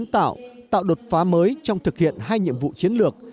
tạo đột phá mới trong thực hiện hai nhiệm vụ chiến lược